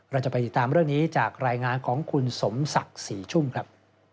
เราจะไปติดตามเรื่องนี้จากรายงานของคุณสมศักดิ์ศรีชุ่มครับ